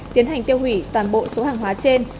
tiến hành tiêu hủy toàn bộ số hàng hóa trên